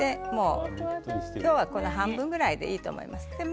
今日は半分ぐらいでいいと思います。